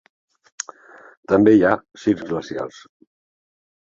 També hi ha circs glacials.